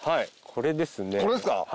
これですか。